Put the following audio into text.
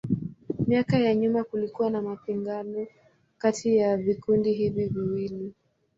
Miaka ya nyuma kulikuwa na mapigano kati ya vikundi hivi viwili.